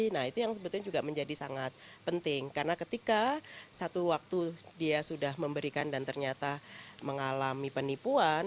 nah itu yang sebetulnya juga menjadi sangat penting karena ketika satu waktu dia sudah memberikan dan ternyata mengalami penipuan